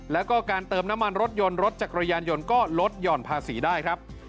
แล้วก็การเติมน้ำมันรถยนต์รถจักรยานยนต์ก็ลดหย่อนภาษีได้ครับ